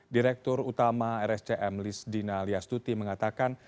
direktur utama rscm lis dina liastuti mengatakan